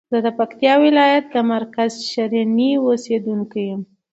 زه د پکتیکا ولایت د مرکز شرنی اوسیدونکی یم.